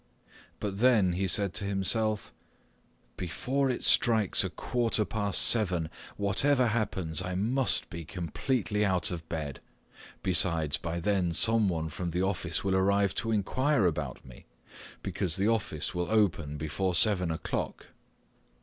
But then he said to himself, "Before it strikes a quarter past seven, whatever happens I must be completely out of bed. Besides, by then someone from the office will arrive to inquire about me, because the office will open before seven o'clock."